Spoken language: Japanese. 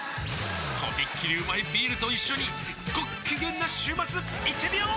とびっきりうまいビールと一緒にごっきげんな週末いってみよー！